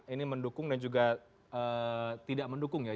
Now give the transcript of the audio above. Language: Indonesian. ini mendukung dan juga tidak mendukung ya